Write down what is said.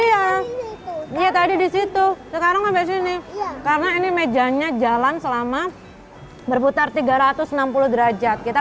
iya iya tadi di situ sekarang sampai sini karena ini mejanya jalan selama berputar tiga ratus enam puluh derajat kita